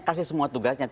kasih semua tugasnya